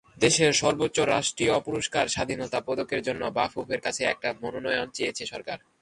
দেশের সর্বোচ্চ রাষ্ট্রীয় পুরস্কার স্বাধীনতা পদকের জন্য বাফুফের কাছে একটা মনোনয়ন চেয়েছে সরকার।